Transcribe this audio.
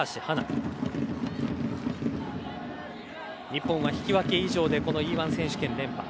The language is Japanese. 日本は引き分け以上でこのＥ‐１選手権連覇。